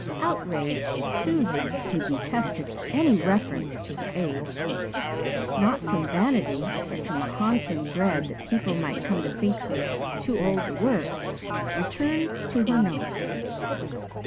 Outraged Susan, who detested any reference to her age not from vanity but from a haunting dread that people might come to think her too old to work returned to her "Notes."